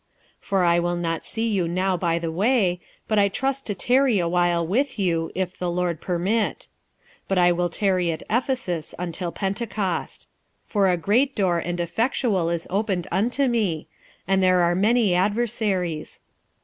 46:016:007 For I will not see you now by the way; but I trust to tarry a while with you, if the Lord permit. 46:016:008 But I will tarry at Ephesus until Pentecost. 46:016:009 For a great door and effectual is opened unto me, and there are many adversaries.